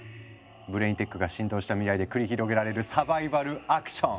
ブレインテックが浸透した未来で繰り広げられるサバイバルアクション！